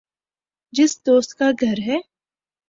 جس دوست کا گھر ہے